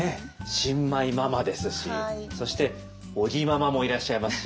新米ママですしそして尾木ママもいらっしゃいますし。